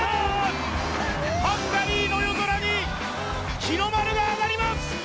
ハンガリーの夜空に日の丸が上がります。